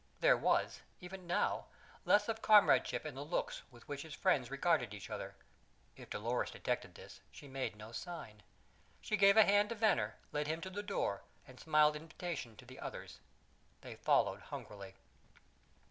There was, even now, less of comradeship in the looks with which the friends regarded each other. If Dolores detected this, she made no sign. She gave a hand to Venner, led him to the door, and smiled invitation to the others. They followed hungrily.